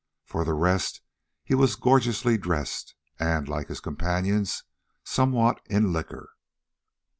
For the rest he was gorgeously dressed, and, like his companions, somewhat in liquor.